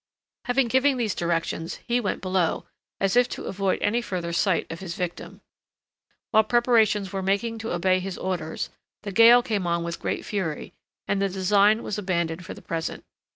Having given these directions, he went below, as if to avoid any further sight of his victim. While preparations were making to obey his orders, the gale came on with great fury, and the design was abandoned for the present.